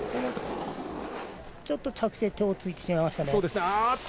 ちょっと着地で手をついてしまいました。